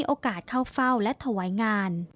โอกาสเข้าเฝ้าและถวายงาน